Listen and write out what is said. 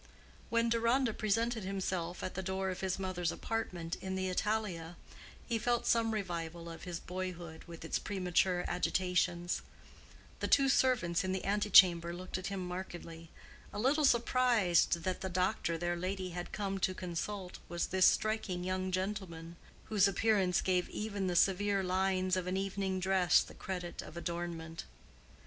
When Deronda presented himself at the door of his mother's apartment in the Italia he felt some revival of his boyhood with its premature agitations. The two servants in the antechamber looked at him markedly, a little surprised that the doctor their lady had come to consult was this striking young gentleman whose appearance gave even the severe lines of an evening dress the credit of adornment.